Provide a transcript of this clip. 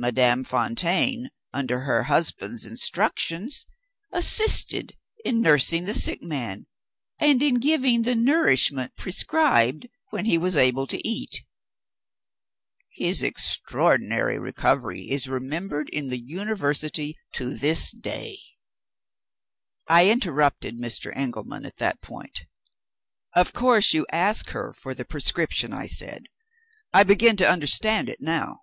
Madame Fontaine, under her husband's instructions, assisted in nursing the sick man, and in giving the nourishment prescribed when he was able to eat. His extraordinary recovery is remembered in the University to this day." I interrupted Mr. Engelman at that point. "Of course you asked her for the prescription?" I said. "I begin to understand it now."